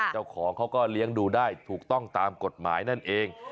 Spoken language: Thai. เจ้าของเขาก็เลี้ยงดูได้ถูกต้องตามกฎหมายนั่นเอง